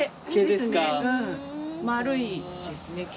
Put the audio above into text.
丸いですね。